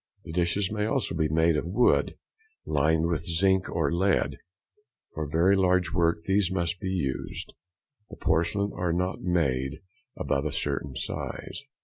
The dishes may also be made of wood, lined with zinc or lead: for very large work these must be used, the porcelain are not made above a certain size.